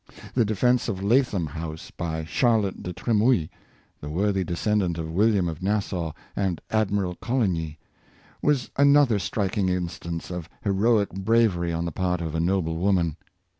The defense of Lathom House by Charlotte de Tre mouille, the worthy descendant of William of Nassau and Admiral Coligny, was another striking instance of heroic bravery on the part of a noble woman.